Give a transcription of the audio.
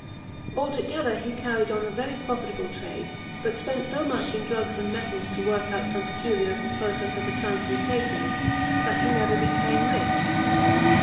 Altogether, he carried on a very profitable trade, but spent so much in drugs and metals to work out some peculiar process of transmutation, that he never became rich.